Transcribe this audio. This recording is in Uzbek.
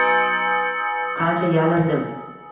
Qancha yalindim